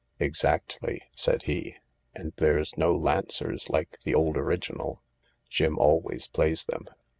"Exactly," said he. "And there's no Lancers like the old original, Jim always plays them.